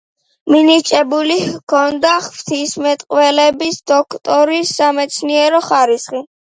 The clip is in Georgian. მინიჭებული ჰქონდა ღვთისმეტყველების დოქტორის სამეცნიერო ხარისხი.